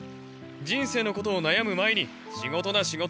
人生のことを悩む前に仕事だ仕事！